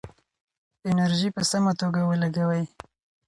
انرژي په سمه توګه ولګوئ.